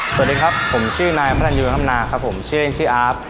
สวัสดีครับผมชื่อนายพระรันยูธรรมนาครับผมชื่อเล่นชื่ออาร์ฟ